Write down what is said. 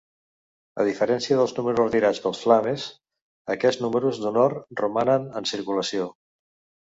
A diferència dels números retirats pels Flames, aquests números d'honor romanen en circulació.